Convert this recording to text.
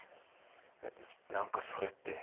えっ何かそれって。